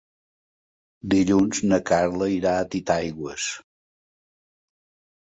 Dilluns na Carla irà a Titaigües.